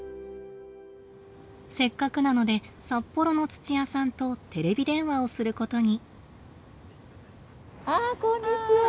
せっかくなので札幌の土屋さんとテレビ電話をすることに。